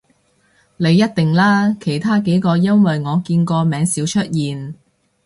你一定啦，其他幾個因爲我見個名少出現